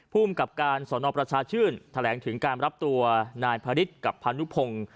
ภูมิกับการสอนอประชาชื่นแถลงถึงการรับตัวนายพระฤทธิ์กับพานุพงศ์